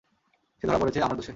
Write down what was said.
সে ধরা পড়েছে আমার দোষে।